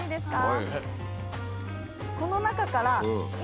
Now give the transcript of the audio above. はい。